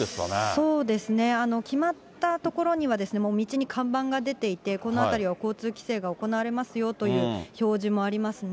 そうですね、決まった所にはですね、もう道に看板が出ていて、この辺りは交通規制が行われますよという標示もありますね。